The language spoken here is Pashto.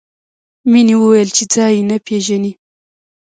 مینې وویل چې ځای یې نه پېژني